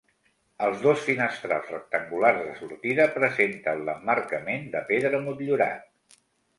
Els dos finestrals rectangulars de sortida presenten l'emmarcament de pedra motllurat.